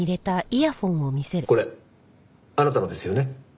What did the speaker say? これあなたのですよね？